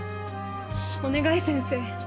お願い先生